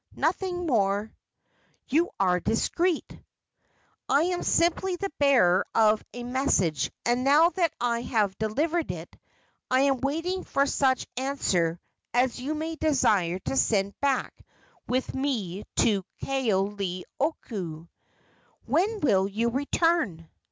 "Nothing more." "You are discreet." "I am simply the bearer of a message; and now that I have delivered it, I am waiting for such answer as you may desire to send back with me to Kaoleioku." "When will you return?"